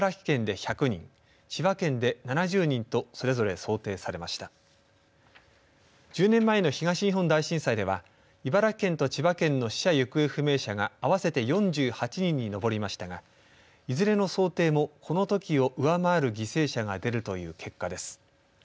１０年前の東日本大震災では茨城県と千葉県の死者・行方不明者が合わせて４８人に上りましたがいずれの想定もこのときを上回る犠牲者が出るという結果です。